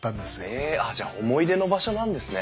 へえじゃあ思い出の場所なんですね。